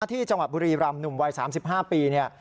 เจ้าหน้าที่จังหวัดบุรีรำหนุ่มวัย๓๕ปี